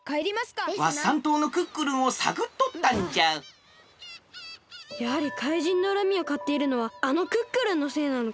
ワッサン島のクックルンをさぐっとったんじゃやはり怪人のうらみをかっているのはあのクックルンのせいなのか！？